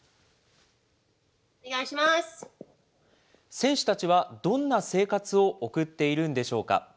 選手たちは、どんな生活を送っているんでしょうか。